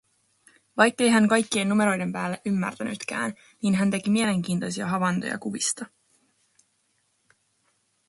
Vaikkei hän kaikkien numeroiden päälle ymmärtänytkään, niin hän teki mielenkiintoisia havaintoja kuvista.